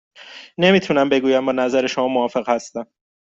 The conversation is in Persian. نمی توانم بگویم با نظر شما موافق هستم.